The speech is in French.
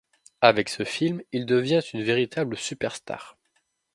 Avec ce film, il devient une véritable superstar.